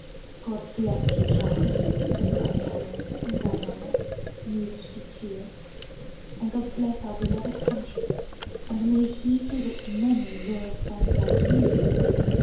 'God bless you, child,'' said Grandfather and Grand mother, moved to tears. ''And God bless our beloved country, and may He give it many loyal sons like you, little Bikku.